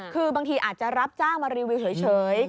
คือบางทีอาจจะรับจ้างมารีวิวเฉย